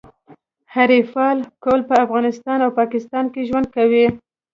حریفال قوم په افغانستان او پاکستان کي ژوند کوي.